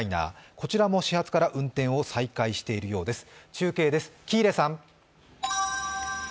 こちらも始発から運転を再開しているようです、中継です、喜入さん。